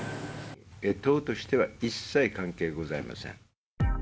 党としては一切関係ございません。